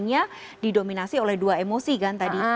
yang didominasi oleh dua emosi kan tadi